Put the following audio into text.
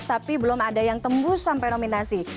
tapi belum ada yang tembus sampai nominasi